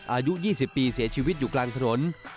อายุ๒๐ปีเสียชีวิตอยู่กลางถนน